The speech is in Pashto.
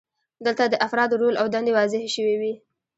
دلته د افرادو رول او دندې واضحې شوې وي.